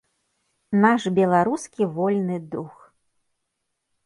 Наш беларускі вольны дух.